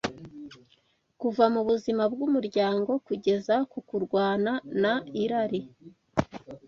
kuva mubuzima bwumuryango kugeza kurwana na irani